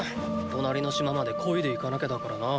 隣の島まで漕いで行かなきゃだからな。